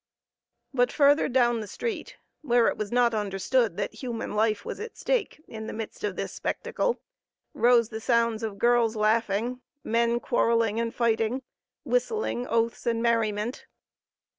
But further down the street, where it was not understood that human life was at stake in the midst of this spectacle, rose the sounds of girls laughing, men quarrelling and fighting, whistling, oaths, and merriment.